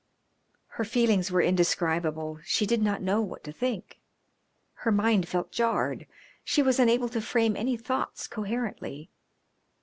Her feelings were indescribable. She did not know what to think. Her mind felt jarred. She was unable to frame any thoughts coherently.